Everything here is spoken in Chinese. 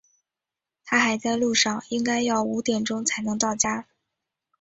他还在路上，应该要五点钟才能到家。